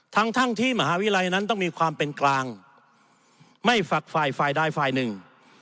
ทั้งทั้งที่มหาวิทยาลัยนั้นต้องมีความเป็นกลางไม่ฝักฝ่ายฝ่ายใดฝ่ายหนึ่ง